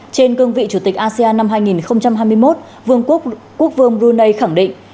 trên cương vị chủ tịch asean năm hai nghìn hai mươi một vương quốc vương brunei khẳng định